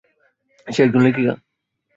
সে একজন লেখিকা।